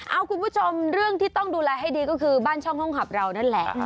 เอาคุณผู้ชมเรื่องที่ต้องดูแลให้ดีก็คือบ้านช่องห้องหับเรานั่นแหละ